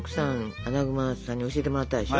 アナグマさんに教えてもらったでしょ。